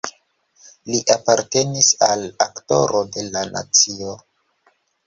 Li apartenis al Aktoro de la nacio.